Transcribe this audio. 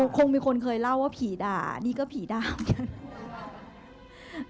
คงมีคนเคยเล่าว่าผีด่านี่ก็ผีด่าเหมือนกัน